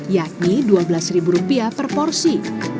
yakni dua belas ribu rupiah per porsi